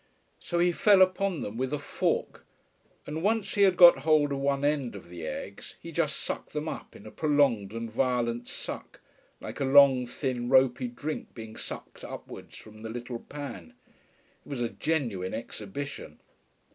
So he fell upon them with a fork, and once he had got hold of one end of the eggs he just sucked them up in a prolonged and violent suck, like a long, thin, ropy drink being sucked upwards from the little pan. It was a genuine exhibition.